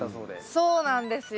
そうなんですよ。